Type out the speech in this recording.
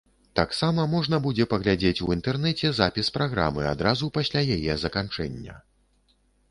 Таксама можна будзе паглядзець у інтэрнэце запіс праграмы адразу пасля яе заканчэння.